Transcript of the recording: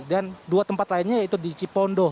dan dua tempat lainnya yaitu di cipondo